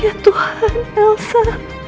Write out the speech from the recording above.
ya tuhan elsa